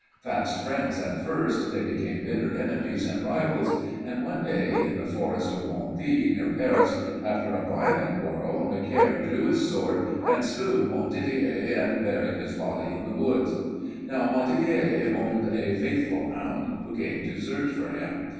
Fast friends at first, they became bitter enemies and rivals, and one day in the Forest of Bondi, near Paris, after a violent quarrel, Macaire drew his sword and slew Montdidier and buried his body in the woods. "Now Montdidier owned a faithful hound who came to search for him.